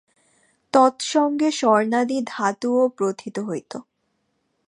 তৎসঙ্গে স্বর্ণাদি ধাতুও প্রোথিত হইত।